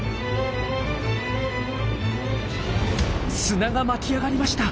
砂が巻き上がりました。